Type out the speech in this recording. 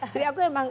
jadi aku emang